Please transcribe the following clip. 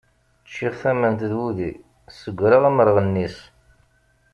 Ččiɣ tament d wudi, ssegreɣ amerɣennis.